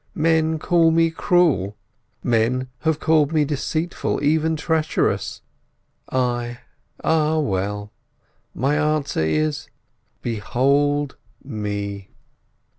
Men call me cruel; men have called me deceitful, even treacherous. I—ah well! my answer is, 'Behold me!